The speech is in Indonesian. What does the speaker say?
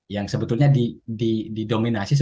yang sebetulnya didominasi